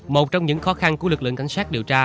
một trong những khó khăn của lực lượng cảnh sát điều tra